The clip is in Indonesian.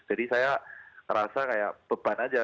jadi saya ngerasa kayak beban aja